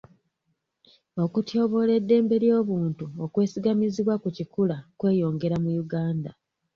Okutyoboola eddembe ly'obuntu okwesigamizibwa ku kikula kweyongera mu Uganda.